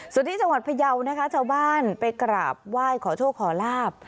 สวัสดีจังหวัดพยาวนะคะเจ้าบ้านไปกราบว่ายขอโชคขอลาบ